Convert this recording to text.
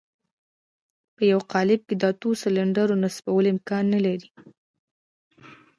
په يوه قالب کې د اتو سلنډرو نصبول امکان نه لري.